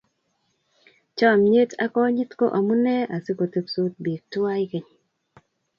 Chomyet ak konyite ko amune asiku tebsot biik tuwai keny